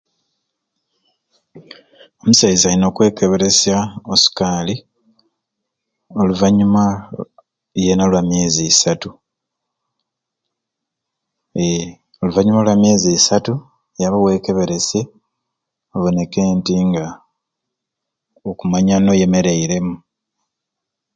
Omusaiza alina okwekeberesya osukali oluvanyuma yena lwa myezi isatu eehh oluvanyuma lwa myezi isatu yaba wekeberesye oboneke nti nga okumanya noyemereremu